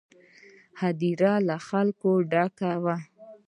هدیره له خلکو ډکه وه.